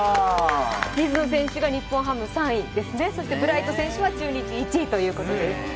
水野選手が日本ハム３位ですね、そしてブライト選手は中日１位ということです。